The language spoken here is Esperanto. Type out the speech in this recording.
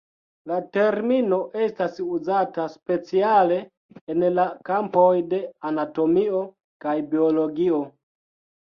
La termino estas uzata speciale en la kampoj de anatomio kaj biologio.